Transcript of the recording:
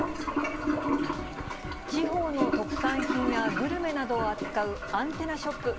地方の特産品やグルメなどを扱うアンテナショップ。